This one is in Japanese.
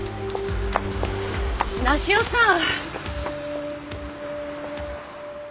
梨世さん。